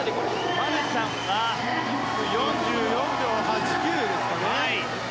マルシャンが４４秒８９ですかね。